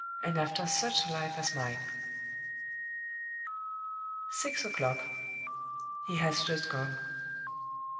and after such a life as mine!" Six o'clock. He has just gone.